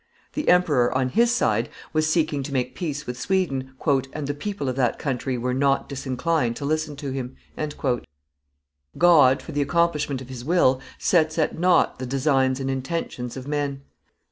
The emperor, on his side, was seeking to make peace with Sweden, "and the people of that country were not disinclined to listen to him." God, for the accomplishment of his will, sets at nought the designs and intentions of men.